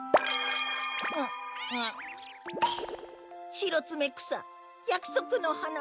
シロツメクサやくそくのはな。